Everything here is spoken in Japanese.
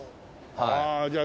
ああじゃあ